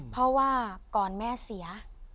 เพราะว่าก่อนแม่เสีย